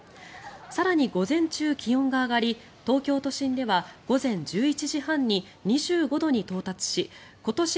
更に、午前中、気温が上がり東京都心では午前１１時半に２５度に到達し今年